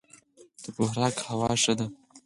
د بهارک هوا ښه ده